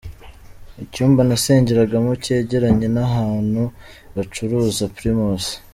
Icyumba nasengeragamo cyegeranye n’ahantu bacuruza Primus.